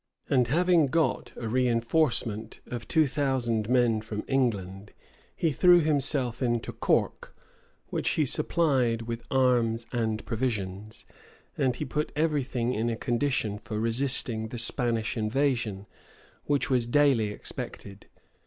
And having got a reënforcement of two thousand men from England, he threw himself into Corke, which he supplied with arms and provisions; and he put every thing in a condition for resisting the Spanish invasion, which was daily expected.